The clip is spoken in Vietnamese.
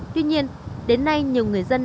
tuy nhiên đến nay nhiều người dân